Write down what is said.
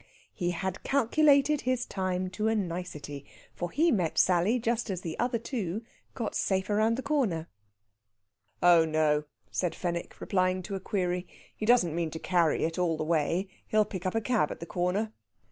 He had calculated his time to a nicety, for he met Sally just as "the other two" got safe round the corner. "Oh no," said Fenwick, replying to a query; "he doesn't mean to carry it all the way. He'll pick up a cab at the corner."